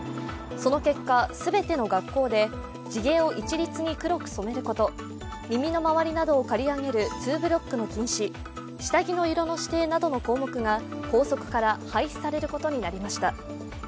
その結果、全ての学校で地毛を一律に黒く染めること耳の周りなどを刈り上げるツーブロックの禁止下着の色の指定などの項目が校則から廃止されることになりました。